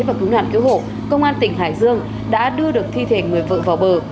và cứu nạn cứu hộ công an tỉnh hải dương đã đưa được thi thể người vợ vào bờ